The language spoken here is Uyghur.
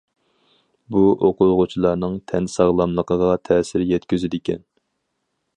بۇ ئوقۇغۇچىلارنىڭ تەن ساغلاملىقىغا تەسىر يەتكۈزىدىكەن.